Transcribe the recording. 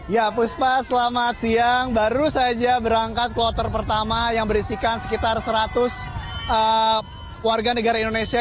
ya puspa selamat siang baru saja berangkat kloter pertama yang berisikan sekitar seratus warga negara indonesia